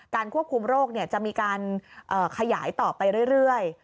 ควบคุมโรคจะมีการขยายต่อไปเรื่อย